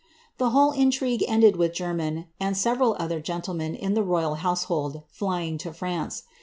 The whole intrigue ended with Jermyn, and several other gentlemen in the royal household, flying to France.